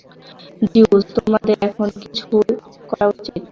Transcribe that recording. Zeus, আমাদের এখনই কিছু করা উচিত।